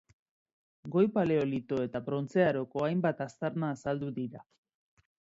Goi Paleolito eta Brontze aroko hainbat aztarna azaldu dira.